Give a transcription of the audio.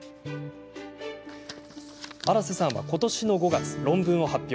荒瀬さんは今年の５月、論文を発表。